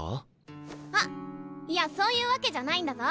あっいやそういうわけじゃないんだぞ。